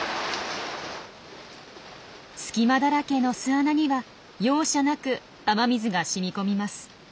隙間だらけの巣穴には容赦なく雨水が染み込みます。